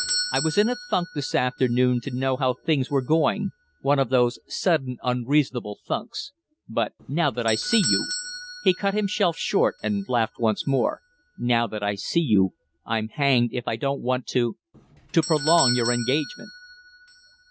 I was in a funk this afternoon to know how things were going one of those sudden, unreasonable funks. But now that I see you" he cut himself short and laughed once more "now that I see you, I'm hanged if I don't want to to prolong your engagement."